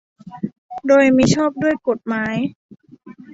โดยมิชอบด้วยกฎหมาย